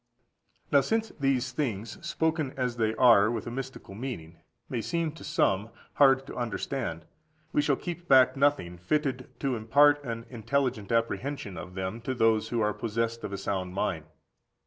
Now since these things, spoken as they are with a mystical meaning, may seem to some hard to understand, we shall keep back nothing fitted to impart an intelligent apprehension of them to those who are possessed of a sound mind.